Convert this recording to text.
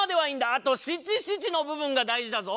あと七七の部分が大事だぞ。